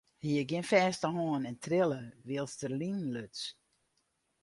Hy hie gjin fêste hân en trille wylst er linen luts.